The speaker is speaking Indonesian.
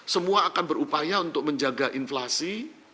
semua akan berupaya untuk menjaga inflasi